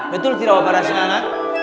betul tidak bapak rasinana